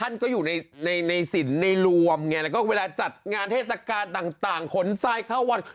ในสินในรวมไงแล้วก็เวลาจัดงานเทศกาลต่างขนทรายเข้าวัน